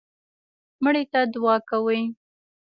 مړي ته دعا کوئ